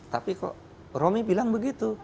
tapi kok romi bilang begitu